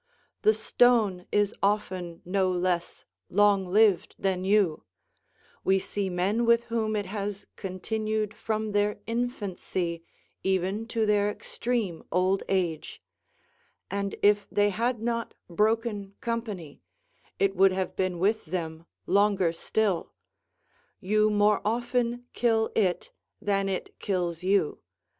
The stone is often no less long lived than you; we see men with whom it has continued from their infancy even to their extreme old age; and if they had not broken company, it would have been with them longer still; you more often kill it than it kills you.